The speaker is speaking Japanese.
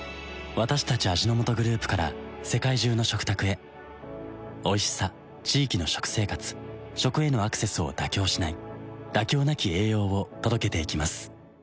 私たち味の素グループから世界中の食卓へおいしさ地域の食生活食へのアクセスを妥協しない「妥協なき栄養」を届けていきます